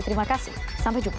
terima kasih sampai jumpa